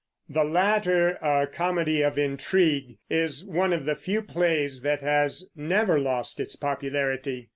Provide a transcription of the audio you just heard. The latter, a comedy of intrigue, is one of the few plays that has never lost its popularity.